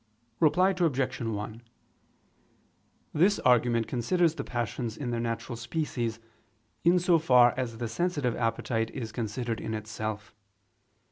Reply Obj. 1: This argument considers the passions in their natural species, in so far as the sensitive appetite is considered in itself.